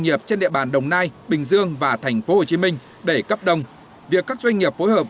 nghiệp trên địa bàn đồng nai bình dương và tp hcm để cấp đông việc các doanh nghiệp phối hợp